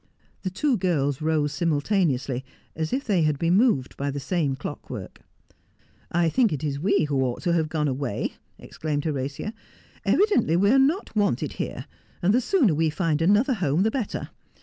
The two girls rose simultaneously, as if they had been moved by the same clockwork. ' I think it is we who ought to have gone away,' exclaimed Horatia. ' Evidently we are not wanted here, and the sooner we find another home the better.